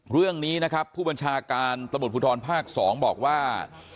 เรื่องนี้นะครับผู้บัญชาการตำรวจภูทรภาค๒บอกว่า